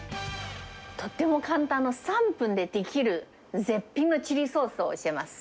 とっても簡単な、３分でできる絶品のチリソースを教えます。